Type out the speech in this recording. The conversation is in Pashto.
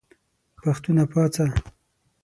پښتونه پاڅه !